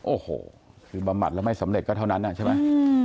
โอ้โหคือบำบัดแล้วไม่สำเร็จก็เท่านั้นใช่ไหม